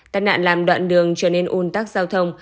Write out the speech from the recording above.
tai nạn làm đoạn đường trở nên un tắc giao thông